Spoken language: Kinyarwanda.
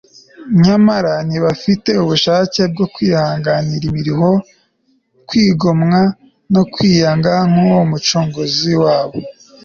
nyamara ntibafite ubushake bwo kwihanganira imiruho, kwigomwa, no kwiyanga nk'uko umucunguzi wabo